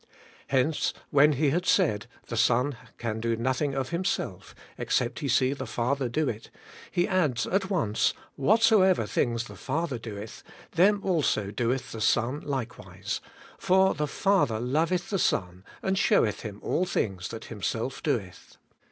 Hence when He had said, 'The Son can do nothing of Himself, except He see the Father do it,' He adds at once, 'Whatsoever things the Father doeth, them also doeth the Son likewise: for the Father loveth the Son, and showeth Him all things that Himself doeth.'